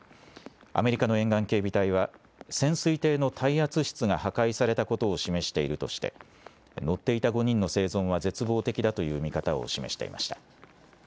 アメリカの沿岸警備隊は潜水艇の耐圧室が破壊されたことを示しているとして乗っていた５人の生存は絶望的だという見方を示していました。